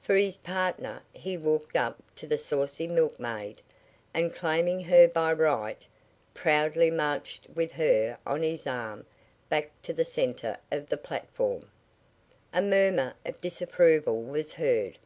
For his partner he walked up to the saucy milkmaid, and claiming her by right, proudly marched with her on his arm back to the center of the platform. A murmur of disapproval was heard.